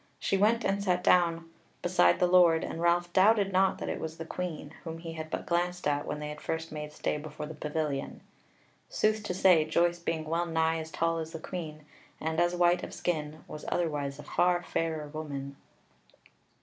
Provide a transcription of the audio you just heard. She went and sat her down beside the Lord, and Ralph doubted not that it was the Queen, whom he had but glanced at when they first made stay before the pavilion. Sooth to say, Joyce being well nigh as tall as the Queen, and as white of skin, was otherwise a far fairer woman.